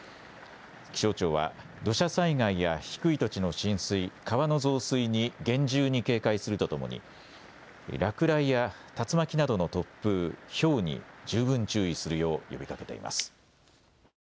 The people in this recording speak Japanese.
気象庁は土砂災害や低い土地の浸水、川の増水に厳重に警戒するとともに落雷や竜巻などの突風、ひょうに十分注意するよう呼びかけています。